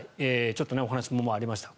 ちょっとお話にもありました。